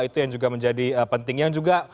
itu yang juga menjadi penting yang juga